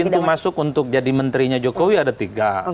pintu masuk untuk jadi menterinya jokowi ada tiga